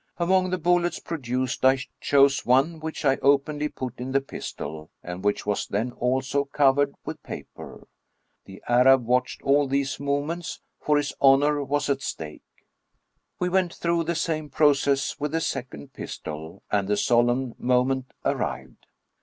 Among the bullets produced, I chose one which I openly put in the pistol, and which was then also covered with paper. The Arab watched all these movements, for his honor was at stake. • We went through the same process with the second pis tol and the solemn moment arrived.